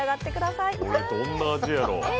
これどんな味やろ。